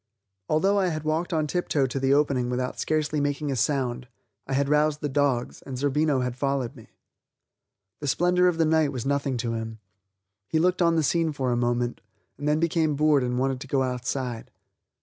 Although I had walked on tiptoe to the opening without scarcely making a sound, I had roused the dogs, and Zerbino had followed me. The splendor of the night was nothing to him; he looked on the scene for a moment, and then became bored and wanted to go outside.